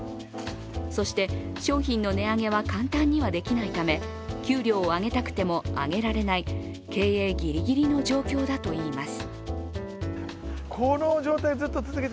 そして、商品の値上げは簡単にはできないため、給料を上げたくても上げられない経営ギリギリの状況だといいます。